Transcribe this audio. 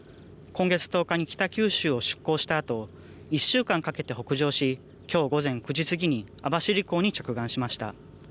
今月１０日に北九州を出航したあと１週間かけて北上しきょう午前９時過ぎに網走港に着岸しました。